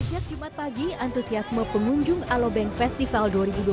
sejak jumat pagi antusiasme pengunjung alobank festival dua ribu dua puluh tiga